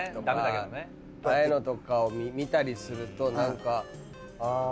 ああいうのとかを見たりすると何かあって。